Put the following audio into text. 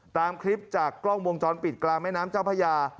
ตามคลิปจากกล้องวงจรปิดกลางแม่น้ำเจ้าพญา